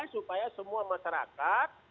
supaya semua masyarakat